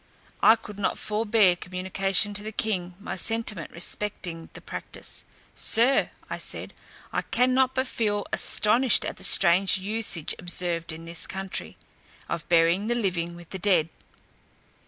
I could not forbear communicating to the king my sentiment respecting the practice: "Sir," I said, "I cannot but feel astonished at the strange usage observed in this country, of burying the living with the dead.